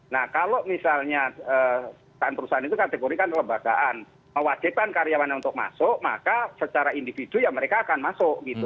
nah kalau misalnya perusahaan perusahaan itu kategorikan kelembagaan mewajibkan karyawannya untuk masuk maka secara individu ya mereka akan masuk gitu